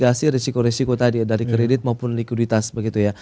tetap memitigasi resiko resiko tadi dari kredit maupun likuiditas begitu ya